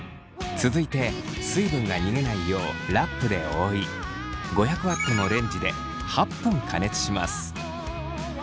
続いて水分が逃げないようラップで覆い５００Ｗのレンジで８分加熱します。